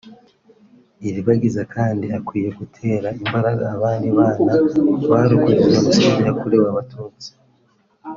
Ilibagiza kandi akwiye gutera imbaraga abandi bana barokotse Jenoside yakorewe Abatutsi